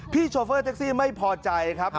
โชเฟอร์แท็กซี่ไม่พอใจครับ